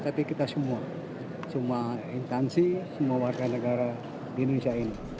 tapi kita semua semua intansi semua warga negara di indonesia ini